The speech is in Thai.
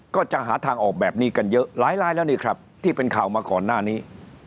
ก็จะหาทางออกแบบนี้กันเยอะหลายลายแล้วนี่ครับที่เป็นข่าวมาก่อนหน้านี้